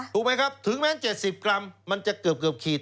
ถูกไหมครับถึงแม้๗๐กรัมมันจะเกือบขีด